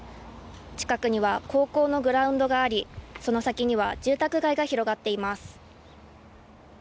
近くには高校のグラウンドがありその先には住宅街が広がっています。